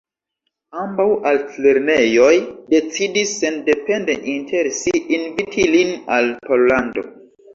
Ambaŭ altlernejoj decidis sendepende inter si inviti lin al Pollando.